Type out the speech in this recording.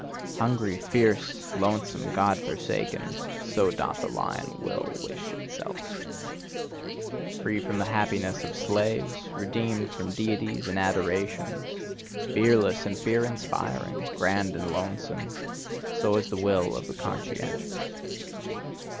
Hungry, fierce, lonesome, God forsaken: so doth the lion will wish itself. Free from the happiness of slaves, redeemed from Deities and adorations, fearless and fear inspiring, grand and lonesome: so is the will of the conscientious.